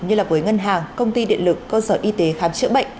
như với ngân hàng công ty điện lực cơ sở y tế khám chữa bệnh